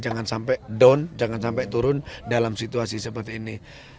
jangan sampai down jangan sampai turun dalam situasi seperti ini